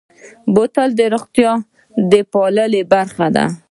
بوتل د روغتیا پالنې برخه ده.